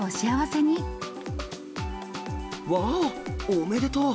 おめでとう。